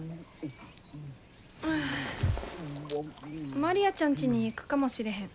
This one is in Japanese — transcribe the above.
マリアちゃんちに行くかもしれへん。